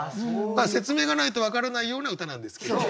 まあ説明がないと分からないような歌なんですけどね。